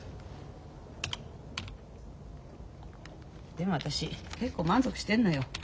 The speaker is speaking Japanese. でも私結構満足してんのよ。